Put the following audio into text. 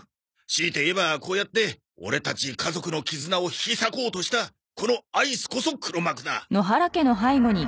強いて言えばこうやってオレたち家族の絆を引き裂こうとしたこのアイスこそ黒幕だ。